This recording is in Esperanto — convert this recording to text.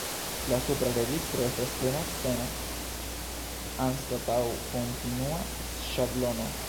La supra registro estas plena sceno, anstataŭ kontinua ŝablono.